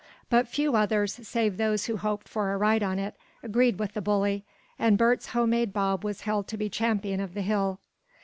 But few others, save those who hoped for a ride on it, agreed with the bully, and Bert's homemade bob was held to be champion of the hill.